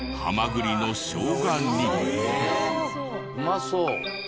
うまそう。